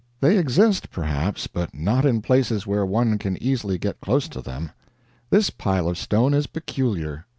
They exist, perhaps, but not in places where one can easily get close to them. This pile of stone is peculiar.